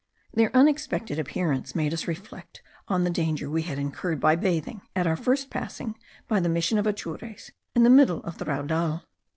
Their unexpected appearance made us reflect on the danger we had incurred by bathing, at our first passing by the mission of Atures, in the middle of the Raudal.